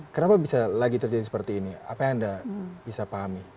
kenapa bisa lagi terjadi seperti ini apa yang anda bisa pahami